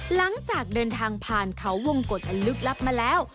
หลังจากเดินทางผ่านเขาวงกฎอันลึกลับมาแล้ว